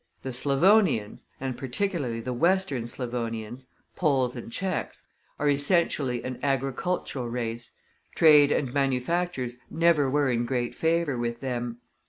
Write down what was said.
The Slavonians, and particularly the Western Slavonians (Poles and Tschechs), are essentially an agricultural race; trade and manufactures never were in great favor with them.